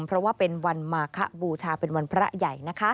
เพราะว่าเป็นวันมาคบูชาเป็นวันพระใหญ่นะคะ